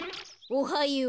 おはよう。